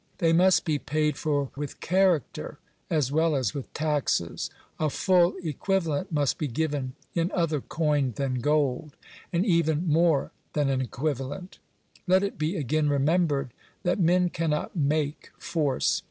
They must be paid for with character as well as with taxes. A fell equivalent must he given in other coin than gok(, and even more than an equivalent. Let it be again remembered that men cannot make force.